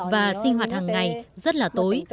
và sinh hoạt hàng ngày rất là tối